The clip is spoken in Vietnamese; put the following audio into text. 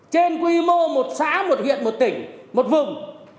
trên quy mô một xã một huyện một tỉnh một vùng